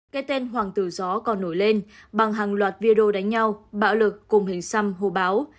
cái tên hoàng tử gió còn nổi lên bằng hàng loạt video đánh nhau bạo lực cùng hình xăm hô báo